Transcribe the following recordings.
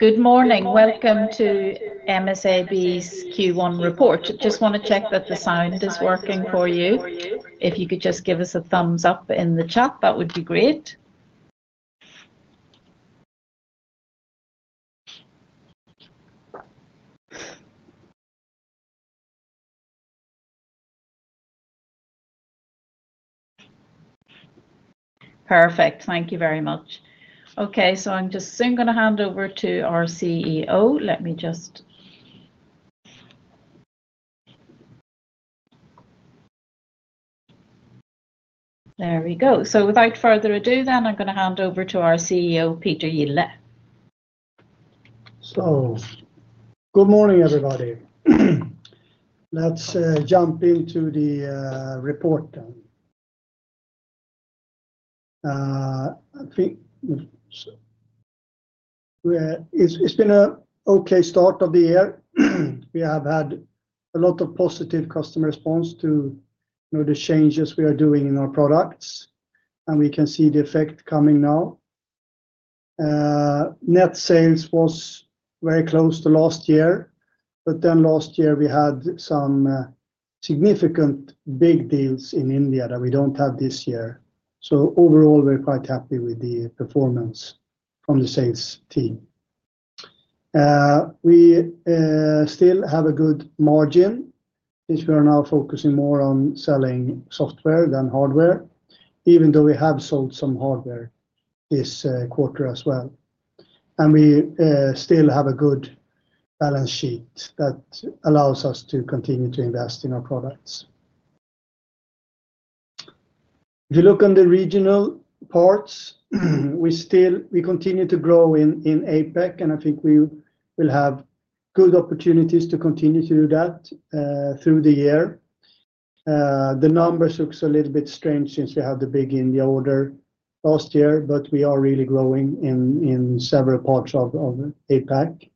Good morning. Welcome to MSAB's Q1 report. Just want to check that the sound is working for you. If you could just give us a thumbs up in the chat, that would be great. Perfect. Thank you very much. Okay, I am just soon going to hand over to our CEO. Let me just—there we go. Without further ado, I am going to hand over to our CEO, Peter Gille. Good morning, everybody. Let's jump into the report then. It's been an okay start of the year. We have had a lot of positive customer response to the changes we are doing in our products, and we can see the effect coming now. Net sales was very close to last year, but then last year we had some significant big deals in India that we do not have this year. Overall, we're quite happy with the performance from the sales team. We still have a good margin since we are now focusing more on selling software than hardware, even though we have sold some hardware this quarter as well. We still have a good balance sheet that allows us to continue to invest in our products. If you look on the regional parts, we continue to grow in APAC, and I think we will have good opportunities to continue to do that through the year. The number looks a little bit strange since we had the big India order last year, but we are really growing in several parts of APAC.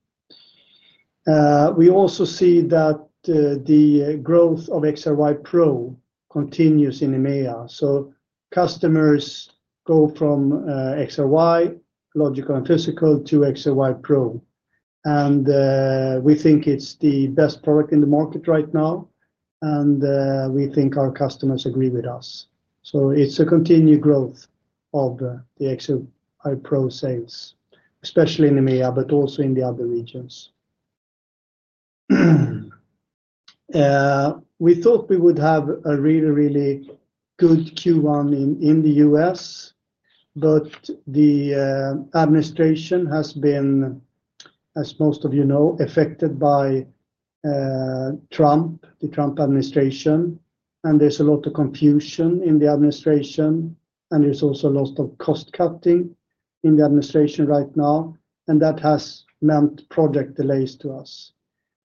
We also see that the growth of XRY Pro continues in EMEA. Customers go from XRY, logical and physical, to XRY Pro. I think it's the best product in the market right now, and I think our customers agree with us. It is a continued growth of the XRY Pro sales, especially in EMEA, but also in the other regions. We thought we would have a really, really good Q1 in the U.S., but the administration has been, as most of you know, affected by Trump, the Trump administration. There is a lot of confusion in the administration, and there is also a lot of cost cutting in the administration right now, and that has meant project delays to us.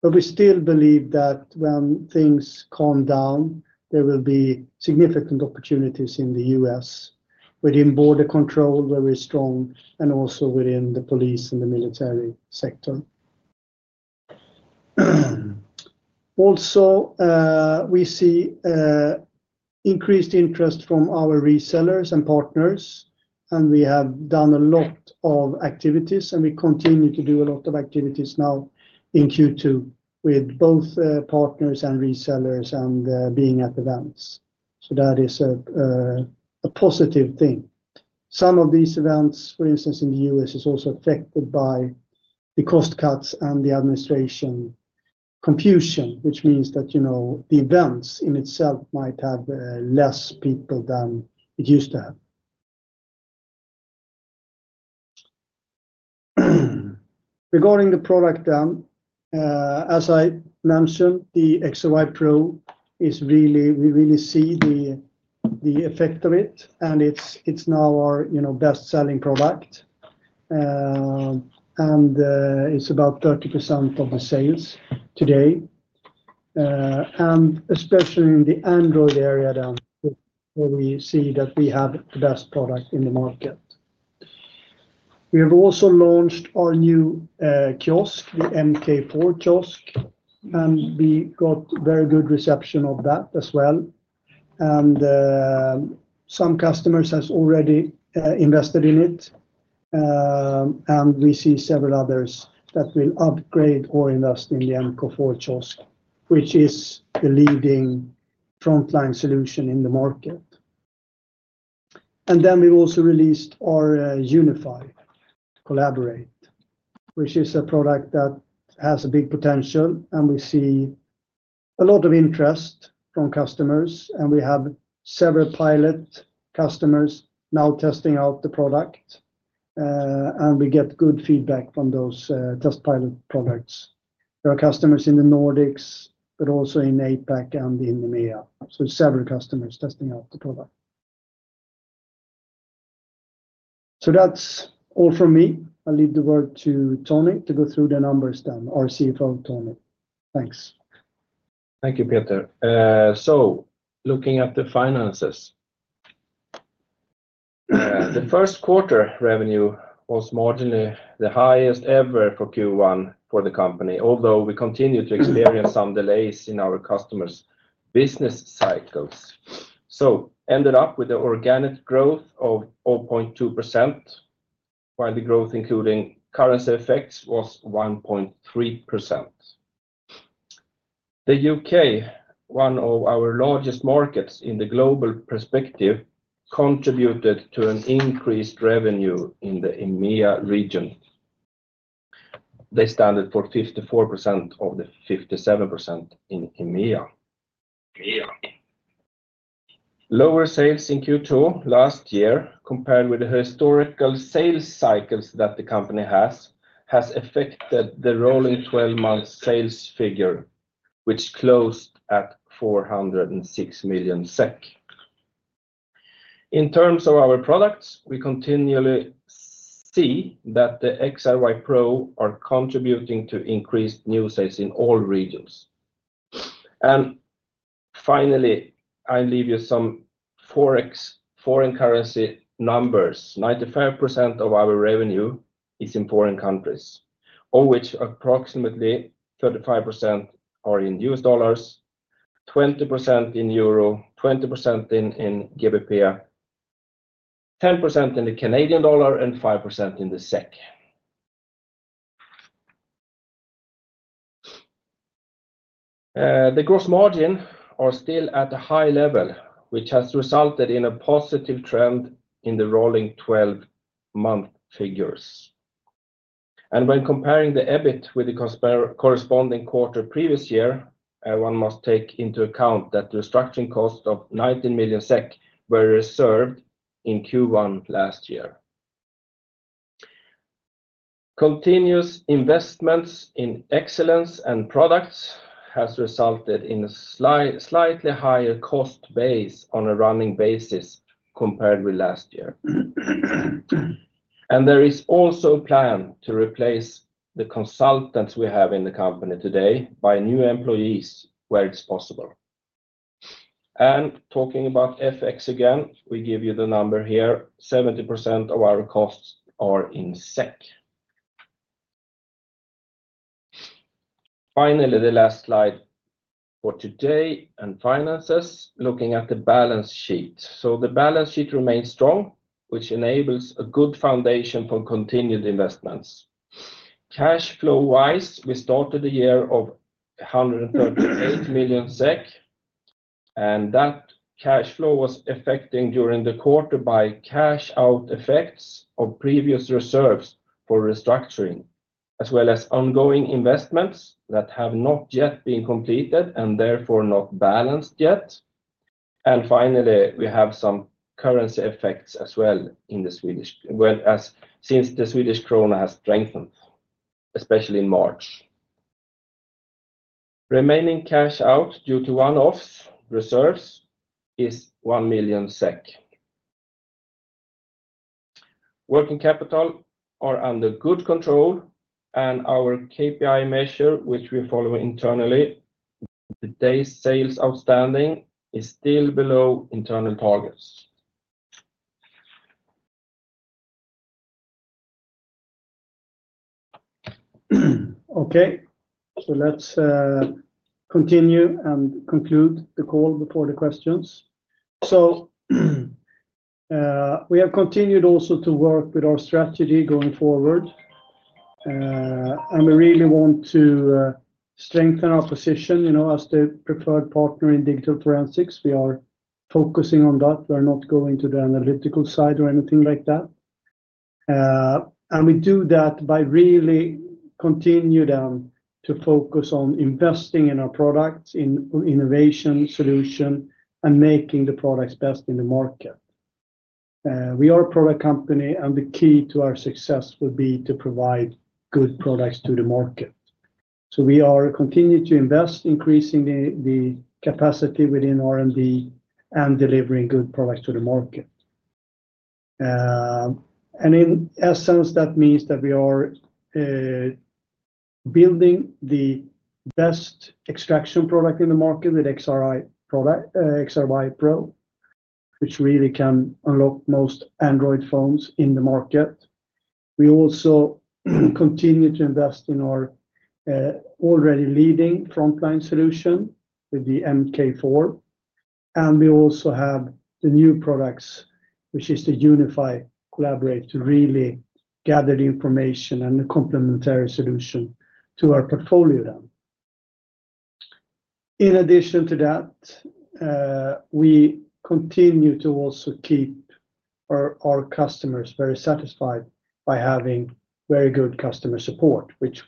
We still believe that when things calm down, there will be significant opportunities in the U.S., within border control, where we are strong, and also within the police and the military sector. We see increased interest from our resellers and partners, and we have done a lot of activities, and we continue to do a lot of activities now in Q2 with both partners and resellers and being at events. That is a positive thing. Some of these events, for instance, in the U.S., are also affected by the cost cuts and the administration confusion, which means that the events in itself might have fewer people than it used to have. Regarding the product then, as I mentioned, the XRY Pro is really—we really see the effect of it, and it's now our best-selling product. It's about 30% of the sales today, especially in the Android area then, where we see that we have the best product in the market. We have also launched our new kiosk, the Mk4 kiosk, and we got very good reception of that as well. Some customers have already invested in it, and we see several others that will upgrade or invest in the Mk4 kiosk, which is the leading frontline solution in the market. We have also released our UNIFY Collaborate, which is a product that has a big potential, and we see a lot of interest from customers. We have several pilot customers now testing out the product, and we get good feedback from those test pilot products. There are customers in the Nordics, but also in APAC and in EMEA. Several customers are testing out the product. That is all from me. I will leave the word to Tony to go through the numbers then. Our CFO, Tony. Thanks. Thank you, Peter. Looking at the finances, the first quarter revenue was marginally the highest ever for Q1 for the company, although we continue to experience some delays in our customers' business cycles. We ended up with an organic growth of 0.2%, while the growth, including currency effects, was 1.3%. The U.K., one of our largest markets in the global perspective, contributed to an increased revenue in the EMEA region. They stand at 54% of the 57% in EMEA. Lower sales in Q2 last year, compared with the historical sales cycles that the company has, has affected the rolling 12-month sales figure, which closed at 406 million SEK. In terms of our products, we continually see that the XRY Pro are contributing to increased new sales in all regions. Finally, I'll leave you some foreign currency numbers. 95% of our revenue is in foreign countries, of which approximately 35% are in U.S. dollars, 20% in euro, 20% in GBP, 10% in the Canadian dollar, and 5% in SEK. The gross margins are still at a high level, which has resulted in a positive trend in the rolling 12-month figures. When comparing the EBIT with the corresponding quarter previous year, one must take into account that the restructuring cost of 19 million SEK was reserved in Q1 last year. Continuous investments in excellence and products have resulted in a slightly higher cost base on a running basis compared with last year. There is also a plan to replace the consultants we have in the company today by new employees where it's possible. Talking about FX again, we give you the number here: 70% of our costs are in SEK. Finally, the last slide for today and finances, looking at the balance sheet. The balance sheet remains strong, which enables a good foundation for continued investments. Cash flow-wise, we started the year with 138 million SEK, and that cash flow was affected during the quarter by cash-out effects of previous reserves for restructuring, as well as ongoing investments that have not yet been completed and therefore not balanced yet. Finally, we have some currency effects as well since the Swedish krona has strengthened, especially in March. Remaining cash-out due to one-off reserves is SEK 1 million. Working capital is under good control, and our KPI measure, which we follow internally, today's sales outstanding is still below internal targets. Okay, let's continue and conclude the call before the questions. We have continued also to work with our strategy going forward, and we really want to strengthen our position as the preferred partner in digital forensics. We are focusing on that. We're not going to the analytical side or anything like that. We do that by really continuing to focus on investing in our products, in innovation solutions, and making the products best in the market. We are a product company, and the key to our success would be to provide good products to the market. We are continuing to invest, increasing the capacity within R&D, and delivering good products to the market. In essence, that means that we are building the best extraction product in the market with XRY Pro, which really can unlock most Android phones in the market. We also continue to invest in our already leading frontline solution with the Mk4. We also have the new products, which is the UNIFY Collaborate, to really gather the information and the complementary solution to our portfolio then. In addition to that, we continue to also keep our customers very satisfied by having very good customer support, which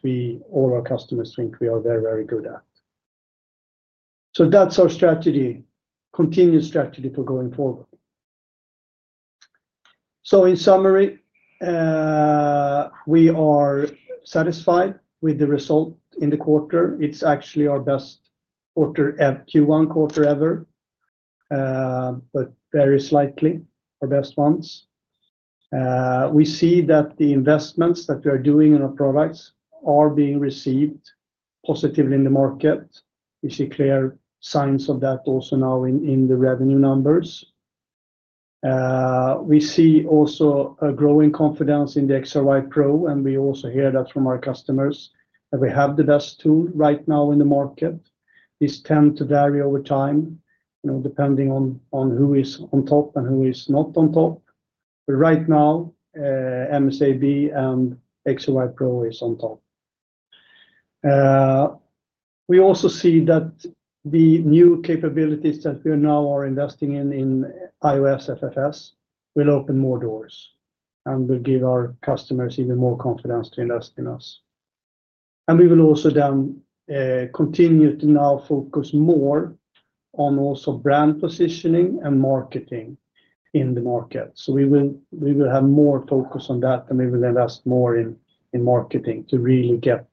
all our customers think we are very, very good at. That is our strategy, continued strategy for going forward. In summary, we are satisfied with the result in the quarter. It is actually our best Q1 quarter ever, but very slightly our best months. We see that the investments that we are doing in our products are being received positively in the market. We see clear signs of that also now in the revenue numbers. We see also a growing confidence in the XRY Pro, and we also hear that from our customers that we have the best tool right now in the market. This tends to vary over time depending on who is on top and who is not on top. Right now, MSAB and XRY Pro are on top. We also see that the new capabilities that we now are investing in iOS FFS will open more doors and will give our customers even more confidence to invest in us. We will also then continue to now focus more on also brand positioning and marketing in the market. We will have more focus on that, and we will invest more in marketing to really get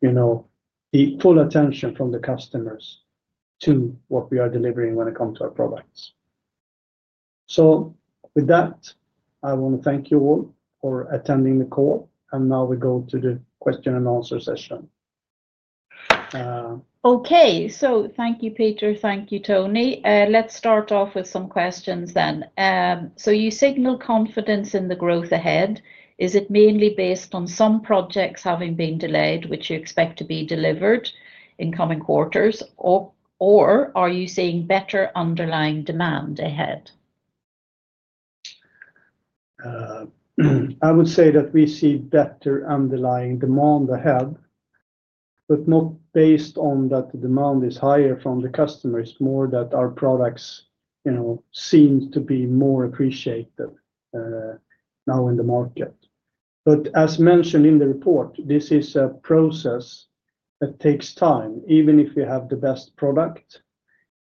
the full attention from the customers to what we are delivering when it comes to our products. With that, I want to thank you all for attending the call, and now we go to the question and answer session. Okay, thank you, Peter. Thank you, Tony. Let's start off with some questions then. You signal confidence in the growth ahead. Is it mainly based on some projects having been delayed, which you expect to be delivered in coming quarters, or are you seeing better underlying demand ahead? I would say that we see better underlying demand ahead, not based on that the demand is higher from the customers, more that our products seem to be more appreciated now in the market. As mentioned in the report, this is a process that takes time. Even if you have the best product,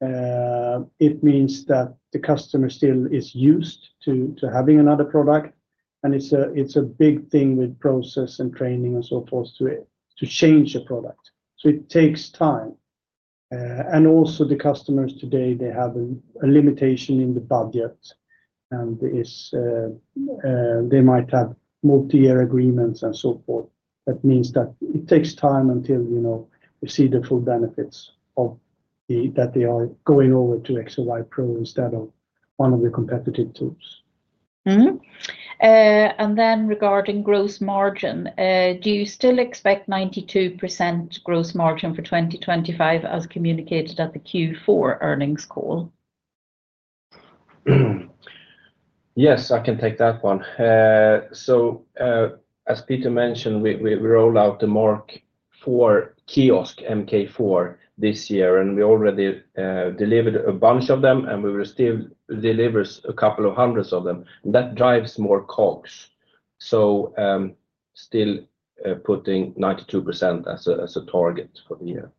it means that the customer still is used to having another product, and it is a big thing with process and training and so forth to change a product. It takes time. Also, the customers today have a limitation in the budget, and they might have multi-year agreements and so forth. That means that it takes time until we see the full benefits that they are going over to XRY Pro instead of one of the competitive tools. Regarding gross margin, do you still expect 92% gross margin for 2025 as communicated at the Q4 earnings call? Yes, I can take that one. As Peter mentioned, we rolled out the Mk4 kiosk this year, and we already delivered a bunch of them, and we will still deliver a couple of hundreds of them. That drives more COGS. Still putting 92% as a target for the year.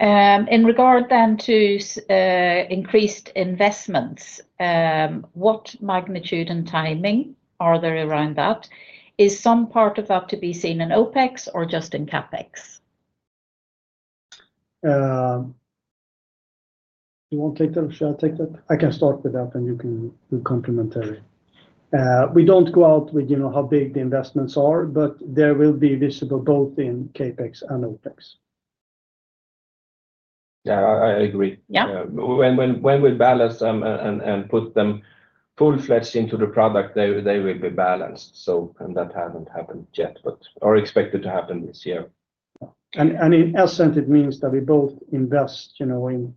In regard then to increased investments, what magnitude and timing are there around that? Is some part of that to be seen in OpEx or just in CapEx? Do you want to take that? Shall I take that? I can start with that, and you can do complementary. We do not go out with how big the investments are, but they will be visible both in CapEx and OpEx. Yeah, I agree. Yeah. When we balance them and put them full-fledged into the product, they will be balanced. That hasn't happened yet, but are expected to happen this year. In essence, it means that we both invest in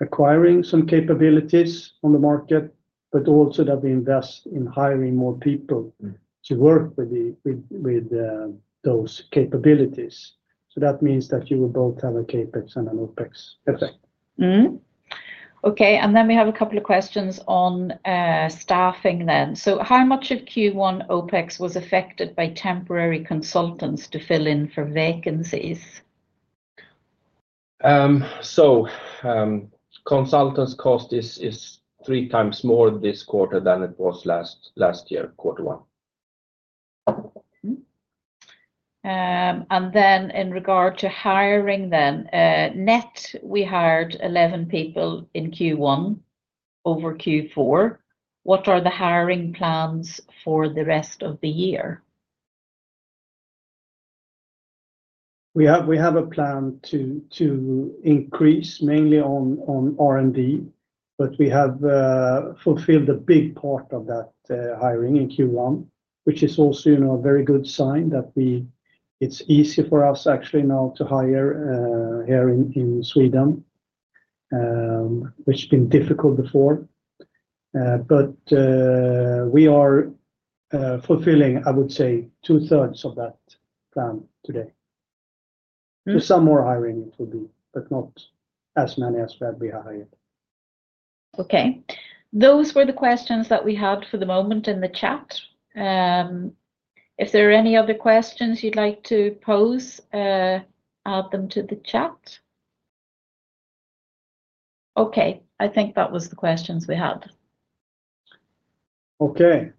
acquiring some capabilities on the market, but also that we invest in hiring more people to work with those capabilities. That means that you will both have a CapEx and an OpEx effect. Okay, we have a couple of questions on staffing then. How much of Q1 OpEx was affected by temporary consultants to fill in for vacancies? Consultants' cost is three times more this quarter than it was last year, quarter one. In regard to hiring then, net, we hired 11 people in Q1 over Q4. What are the hiring plans for the rest of the year? We have a plan to increase mainly on R&D, but we have fulfilled a big part of that hiring in Q1, which is also a very good sign that it's easy for us actually now to hire here in Sweden, which has been difficult before. We are fulfilling, I would say, two-thirds of that plan today. Some more hiring will be, but not as many as we had hired. Okay, those were the questions that we had for the moment in the chat. If there are any other questions you'd like to pose, add them to the chat. Okay, I think that was the questions we had. Okay,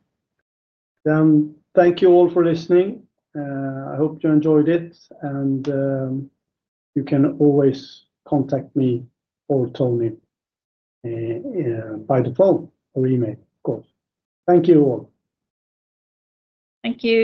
thank you all for listening. I hope you enjoyed it, and you can always contact me or Tony by the phone or email, of course. Thank you all. Thank you.